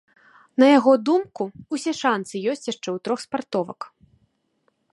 На яго думку, усе шанцы ёсць яшчэ ў трох спартовак.